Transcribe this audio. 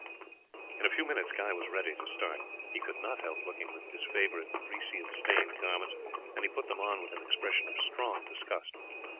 In a few minutes Guy was ready to start. He could not help looking with disfavour at the greasy and stained garments, and he put them on with an expression of strong disgust.